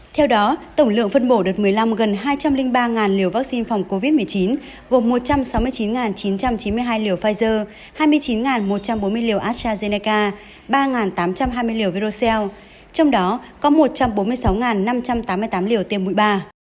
theo đó tổng lượng phân bổ đợt một mươi năm gần hai trăm linh ba liều vaccine phòng covid một mươi chín gồm một trăm sáu mươi chín chín trăm chín mươi hai liều pfizer hai mươi chín một trăm bốn mươi liều astrazeneca ba tám trăm hai mươi liều cell trong đó có một trăm bốn mươi sáu năm trăm tám mươi tám liều tiêm mũi ba